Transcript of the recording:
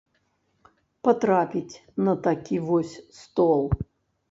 Патрапіць на такі вось стол.